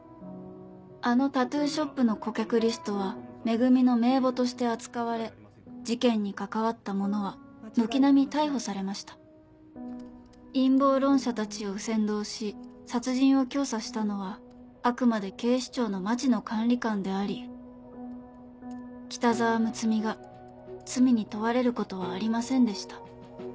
あのタトゥーショップの顧客リストは「め組」の名簿として扱われ事件に関わった者は軒並み逮捕されました陰謀論者たちを扇動し殺人を教唆したのはあくまで警視庁の町野管理官であり北澤睦美が罪に問われることはありませんでした